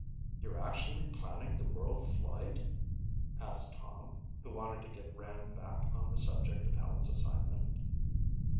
"You're actually planning the world flight?" asked Tom, who wanted to get Rand back on the subject of Helen's assignment.